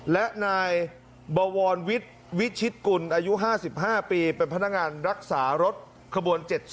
และนายบวรวิทย์วิชิตกุลอายุ๕๕ปีเป็นพนักงานรักษารถขบวน๗๒